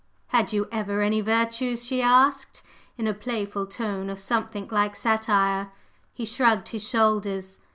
"Had you ever any virtues?" she asked in a playful tone of something like satire. He shrugged his shoulders.